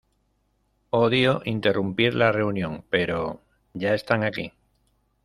Odio interrumpir la reunión, pero... ¡ ya están aquí!